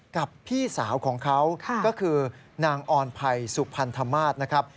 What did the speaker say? กับพี่สาวของเขาก็คือนางออนไพรสุพันธมาศนะครับ